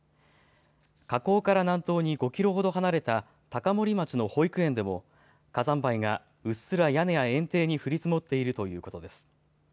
火口から南東に５キロほど離れた高森町の保育園でも火山灰がうっすら屋根や園庭に降り積もっているということです。